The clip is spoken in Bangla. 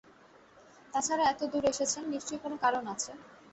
তা ছাড়া এত দূর এসেছেন, নিশ্চয়ই কোনো কারণ আছে।